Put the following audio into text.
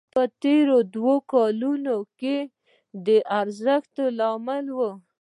دا په تېرو دوو کلونو کې د ارزښت له امله وو